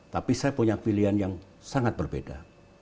tapi saya punya pilihan yang sangat berbeda